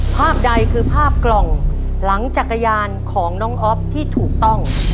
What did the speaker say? ภาพใดคือภาพกล่องหลังจักรยานของน้องอ๊อฟที่ถูกต้อง